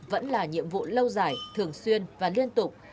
vẫn là nhiệm vụ lâu dài thường xuyên và liên tục